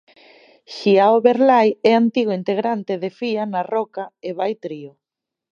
Xiao Berlai é antigo integrante de Fía na Roca e Vai Trío.